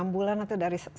enam bulan atau dari